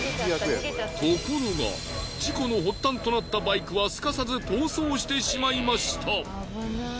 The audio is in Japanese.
ところが事故の発端となったバイクはすかさず逃走してしまいました。